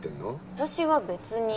私は別に。